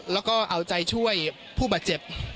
แล้วก็เอาใจช่วยผู้บาดเจ็บ